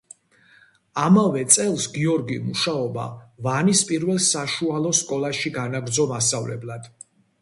ამავე წელს გიორგიმ მუშაობა ვანის პირველ საშუალო სკოლაში განაგრძო მასწავლებლად.